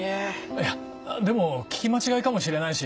いやでも聞き間違いかもしれないし。